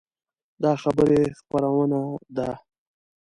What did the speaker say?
دا خبري خپرونه ده